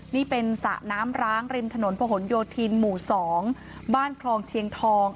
นี่เป็นสระน้ำร้างริมถนนพะหนโยธินหมู่๒บ้านคลองเชียงทอง